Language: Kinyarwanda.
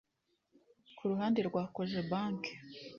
Ku ruhande rwa Cogebanque